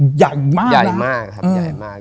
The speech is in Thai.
ใหญ่มากนะครับอืมใหญ่มากครับใหญ่มาก